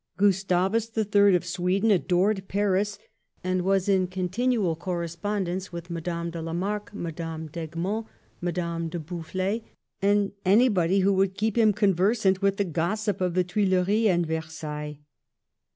Gustavus III. of Swe den adored Paris, and was in continual corre spondence with Madame de la Mark, Madame d'Egmont, Madame de Boufflers, and anybody who would keep him conversant with the gossip of the Tuileries and Versailles.